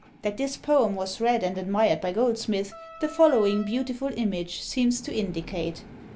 That this poem was read and admired by Goldsmith, the following beautiful image seems to indicate.